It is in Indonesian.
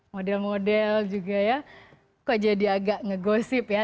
model model juga ya kok jadi agak ngegosip ya